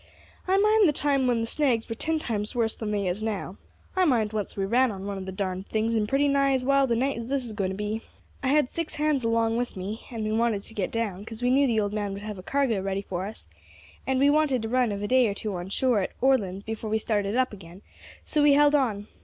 I mind the time when the snags were ten times worse than they is now. I mind once we ran on one of the darned things in pretty nigh as wild a night as this is going to be. I had six hands along with me, and we wanted to get down, 'cause we knew the old man would have a cargo ready for us, and we wanted a run of a day or two on shore at Orleans before we started up again, so we held on.